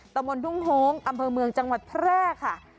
มนทุ่งโฮงอำเภอเมืองจังหวัดแพร่ค่ะ